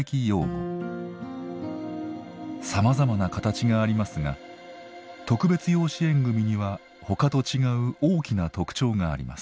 さまざまな形がありますが特別養子縁組には他と違う大きな特徴があります。